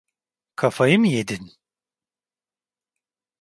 Kafayı mı yedin?